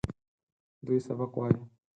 دوی سبق وايي.